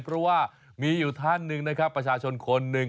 เพราะว่ามีอยู่ท่านหนึ่งนะครับประชาชนคนหนึ่ง